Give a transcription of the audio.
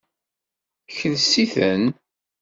Kles-iten.